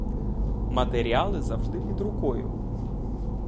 Матеріали завжди під рукою.